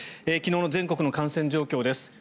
昨日の全国の感染状況です。